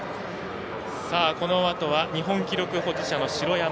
このあとは日本記録保持者の城山。